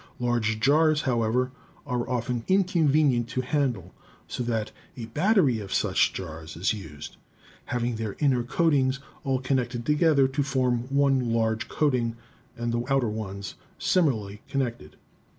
Large jars are, however, often inconvenient to handle, so that a 'battery' of such jars is used having their inner coatings all connected to gether to form one large coating, and the outer ones simi larly connected.